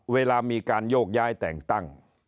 เวลามีการโยกย้ายแต่งตั้ง